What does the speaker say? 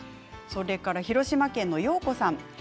広島県の方です。